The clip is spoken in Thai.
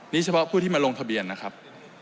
นี่เฉพาะผู้ที่มาลงทะเบียนนะครับ